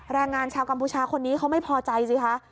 แรงงานชาวกัมพูชาคนนี้เขาไม่พอใจสิคะ